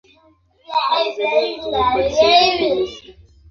Alizaliwa mjini Port Said, huko Misri.